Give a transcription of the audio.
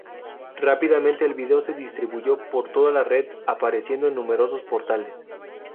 Rápidamente, el vídeo se distribuyó por toda la red, apareciendo en numerosos portales.